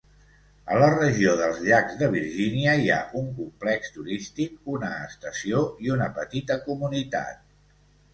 A la regió dels llacs de Virgínia hi ha un complex turístic, una estació i una petita comunitat.